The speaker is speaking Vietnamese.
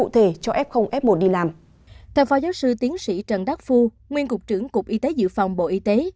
theo phó giáo sư tiến sĩ trần đắc phu nguyên cục trưởng cục y tế dự phòng bộ y tế